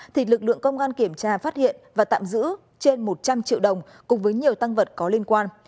thì lực lượng công an kiểm tra phát hiện và tạm giữ trên một trăm linh triệu đồng cùng với nhiều tăng vật có liên quan